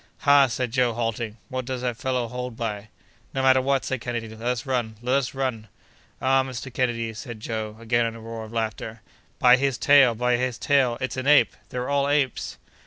"Ha!" said Joe, halting, "what does that fellow hold by?" "No matter what!" said Kennedy; "let us run! let us run!" "Ah! Mr. Kennedy," said Joe, again, in a roar of laughter, "by his tail! by his tail! it's an ape! They're all apes!"